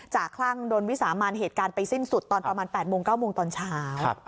คลั่งโดนวิสามันเหตุการณ์ไปสิ้นสุดตอนประมาณ๘โมง๙โมงตอนเช้า